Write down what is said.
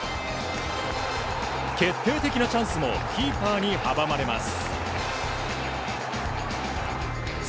決定的なチャンスもキーパーに阻まれます。